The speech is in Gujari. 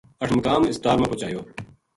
اٹھمقام ہسپتال ما پوہچایو